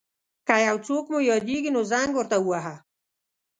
که یو څوک مو یاديږي نو زنګ ورته وواهه.